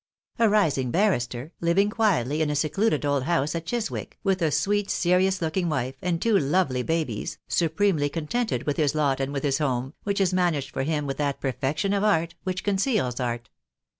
A rising barrister, living quietly in a secluded old house at Chiswick, with a sweet serious looking wife, and two lovely babies, supremely contented with his lot and with his home, which is managed for him with that perfection of art which conceals art.